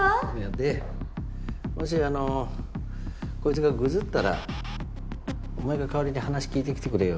でもしこいつがぐずったらお前が代わりに話聞いてきてくれよ。